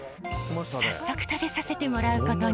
早速食べさせてもらうことに。